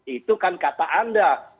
itu kan kata anda